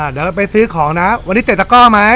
เดี๋ยวเราไปซื้อของนะวันนี้เตะตะก้อไหม